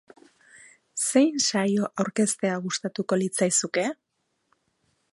Zein saio aurkeztea gustatuko litzaizuke?